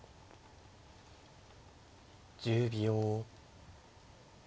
１０秒。